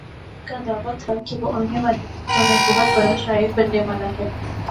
شعر کا دعویٰ تھا وہ آنے والے وقتوں میں بہت بڑا شاعر بننے والا ہے۔